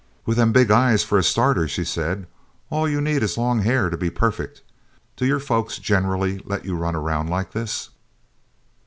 "With them big eyes, for a starter," she said, "all you need is long hair to be perfect. Do your folks generally let you run around like this?"